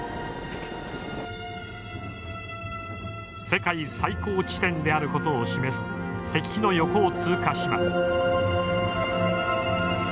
世界最高地点であることを示す石碑の横を通過します。